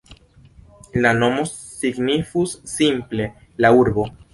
La nomo signifus simple "la urbo".